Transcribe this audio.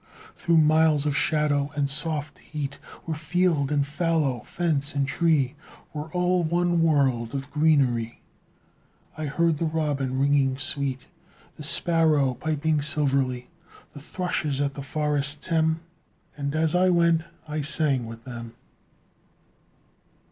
Through miles of shadow and soft heat, Where field and fallow, fence and tree, Were all one world of greenery, I heard the robin ringing sweet, The sparrow piping silverly, The thrushes at the forest's hem; And as I went I sang with them.